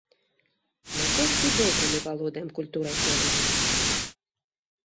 Наколькі добра мы валодаем культурай колеру?